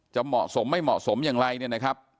เหมาะสมไม่เหมาะสมอย่างไรเนี่ยนะครับ